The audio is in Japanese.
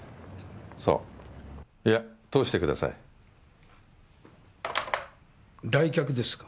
そういや通してください。来客ですか。